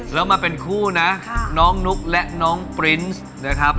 แล้วมาเป็นคู่นะน้องนุ๊กและน้องปรินส์นะครับ